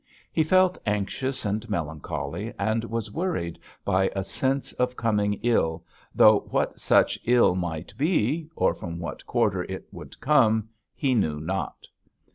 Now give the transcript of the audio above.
He felt anxious and melancholy, and was worried by a sense of coming ill, though what such ill might be, or from what quarter it would come, he knew not.